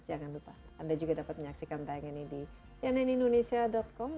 jangan lupa anda juga dapat menyaksikan tayangan ini di cnnindonesia com